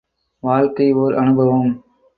வாழ்க்கை ஓர் அநுபவம்.